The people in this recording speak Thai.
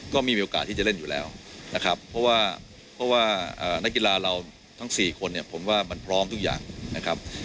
ก็มีโอกาสที่จะเล่นอยู่แล้วนะครับเพราะว่าเพราะว่านักกีฬาเราทั้ง๔คนเนี่ยผมว่ามันพร้อมทุกอย่างนะครับ